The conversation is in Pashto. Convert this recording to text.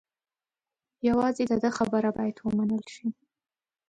یوازې د ده خبره باید و منل شي.